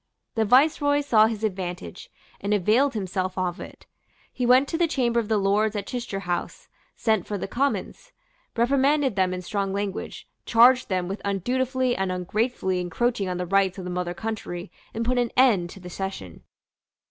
The Viceroy saw his advantage, and availed himself of it. He went to the chamber of the Lords at Chichester House, sent for the Commons, reprimanded them in strong language, charged them with undutifully and ungratefully encroaching on the rights of the mother country, and put an end to the session.